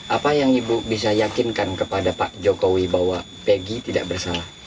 apa yang ibu bisa yakinkan kepada pak jokowi bahwa pg tidak bersalah